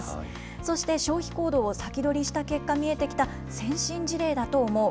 そして、消費行動を先取りした結果見えてきた先進事例だと思う。